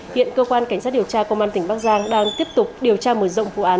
hiện cơ quan cảnh sát điều tra công an tỉnh bắc giang đang tiếp tục điều tra mở rộng vụ án